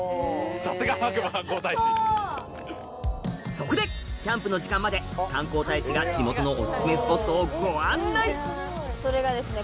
そこでキャンプの時間まで観光大使が地元のオススメスポットをご案内それがですね